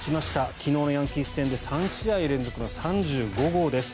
昨日のヤンキース戦で３試合連続の３５号です。